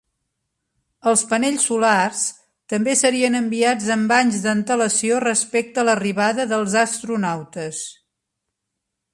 Els panells solars també serien enviats amb anys d'antelació respecte a l'arribada dels astronautes.